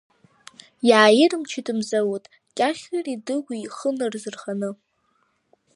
Иааирмчит мзауҭ, Кьахьыри Дыгәи ихы нарзырханы.